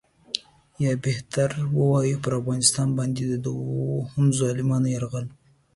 یا بهتر ووایو پر افغانستان باندې دوهم ظالمانه یرغل.